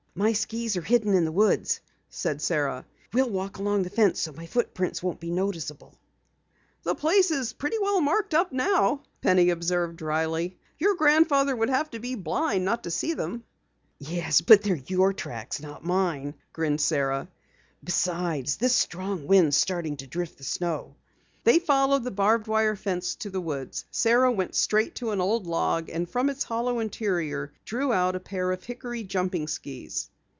"My skis are hidden in the woods," said Sara. "We'll walk along the fence so my footprints won't be so noticeable." "The place is pretty well marked up now," Penny observed dryly. "Your grandfather would have to be blind not to see them." "Yes, but they're your tracks, not mine," grinned Sara. "Besides, this strong wind is starting to drift the snow." They followed the barbed wire fence to the woods. Sara went straight to an old log and from its hollow interior drew out a pair of hickory jumping skis.